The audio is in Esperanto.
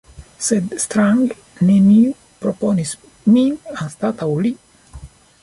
Sed strange: neniu proponis min anstataŭ li!